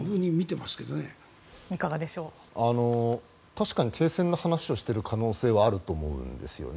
確かに停戦の話をしている可能性はあると思うんですよね。